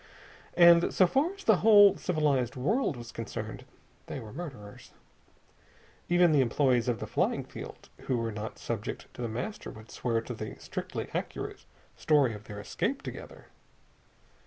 And so far as the whole civilized world was concerned they were murderers. Even the employees of the flying field who were not subject to The Master would swear to the strictly accurate story of their escape together.